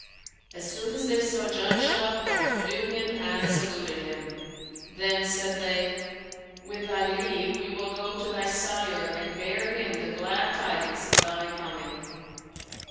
As soon as they saw Janshah, both knew him and saluted him; then said they, 'With thy leave, we will go to thy sire and bear him the glad tidings of thy coming.'